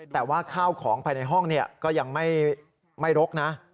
แต่ว่าข้าวของภายในห้องก็ยังไม่รกนะ